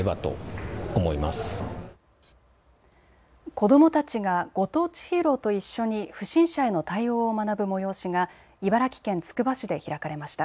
子どもたちがご当地ヒーローと一緒に不審者への対応を学ぶ催しが茨城県つくば市で開かれました。